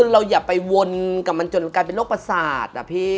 เราอย่าไปวนกับมันจนกลายเป็นโลกประสาท